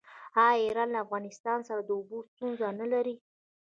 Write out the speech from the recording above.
آیا ایران له افغانستان سره د اوبو ستونزه نلري؟